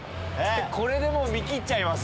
これでもう見切っちゃいます？